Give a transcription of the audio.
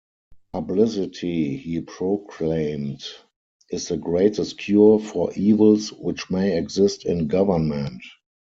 "Publicity," he proclaimed, "is the greatest cure for evils which may exist in government.